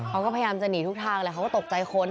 เขาก็พยายามจะหนีทุกทางแหละเขาก็ตกใจคน